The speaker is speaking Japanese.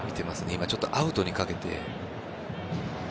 今、ちょっとアウトにかけて。